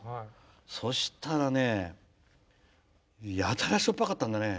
そしたら、やたらしょっぱかったんだよね。